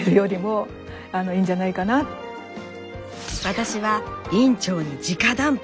私は院長にじか談判。